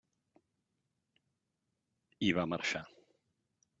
I va marxar.